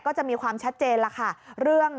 ก็จะมีความชัดเจนล่ะค่ะเรื่อง